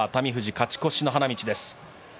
勝ち越しの花道です。